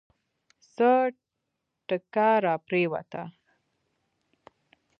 څه ټکه راپرېوته.